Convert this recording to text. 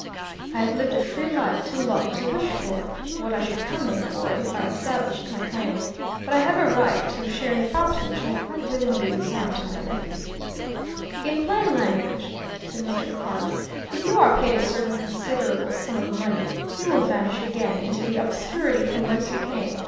I have lived a free life too long to wish for what I should come in for if I established my claim. But I have a right to a share in the property which I quite willingly resign to my nephew " "In plain language," said Mr. Carless, "if you are paid a certain considerable sum of money, you will vanish again into the obscurity from whence you came?